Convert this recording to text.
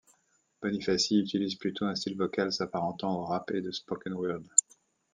Bonifassi y utilise plutôt un style vocal s'apparentant au rap et de spoken word.